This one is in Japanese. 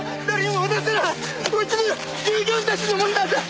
うちの従業員たちのものなんだ！